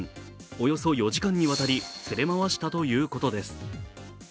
およそ４時間にわたり連れ回したということです。